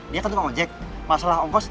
dia kan pengojek masalah ongkos